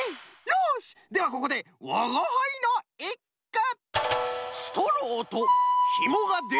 よしではここでわがはいのいっく！